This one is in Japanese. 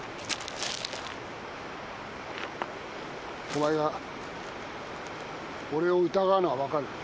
お前が俺を疑うのはわかるよ。